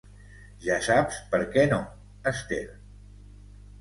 Ja saps perquè no, Esther.